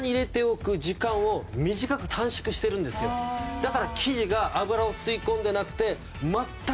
だから生地が油を吸い込んでなくて全く。